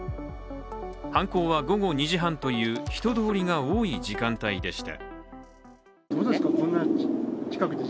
犯行は午後２時半という人通りが多い時間帯でした。